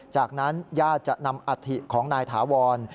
จากนั้นญาติจะนำอัฐิของนายถาวร